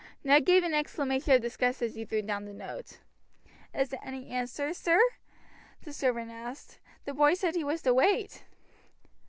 Ned gave an exclamation of disgust as he threw down the note. "Is there any answer, sir?" the servant asked. "The boy said he was to wait."